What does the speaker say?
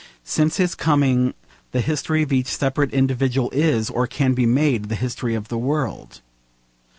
Since his coming the history of each separate individual is, or can be made, the history of the world.